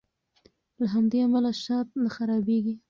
له همدې امله شات نه خرابیږي.